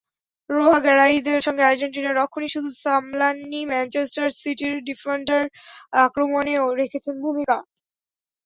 রোহো-গ্যারাইদের সঙ্গে আর্জেন্টিনার রক্ষণই শুধু সামলাননি, ম্যানচেস্টার সিটির ডিফেন্ডার আক্রমণেও রেখেছেন ভূমিকা।